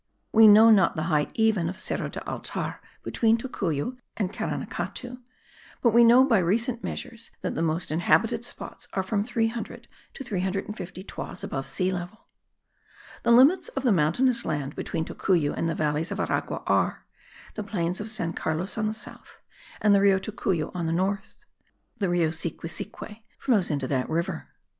We know not the height even of Cerro del Altar, between Tocuyo and Caranacatu; but we know by recent measures that the most inhabited spots are from 300 to 350 toises above sea level. The limits of the mountainous land between Tocuyo and the valleys of Aragua are, the plains of San Carlos on the south, and the Rio Tocuyo on the north; the Rio Siquisique flows into that river.